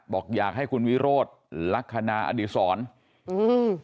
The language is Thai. บอกอยากให้คุณวิโรธลักษณะอดีศรอืม